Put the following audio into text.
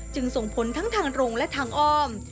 ส่งผลทั้งทางโรงและทางอ้อม